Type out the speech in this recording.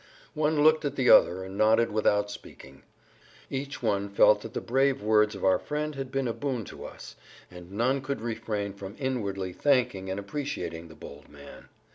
One looked at the other and nodded without speaking; each one felt that the brave words of our friend had been a boon to us, and none could refrain from inwardly thanking and appreciating the bold man.